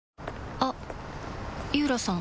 あっ井浦さん